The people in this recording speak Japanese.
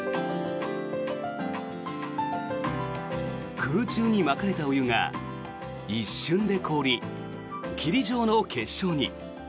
空中にまかれたお湯が一瞬で凍り、霧状の結晶に。